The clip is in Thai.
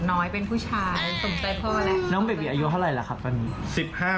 น้องเบบี้อายุเท่าไหร่ละครับวันนี้